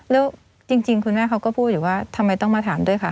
แล้วจริงคุณแม่เขาก็พูดอยู่ว่าทำไมต้องมาถามด้วยคะ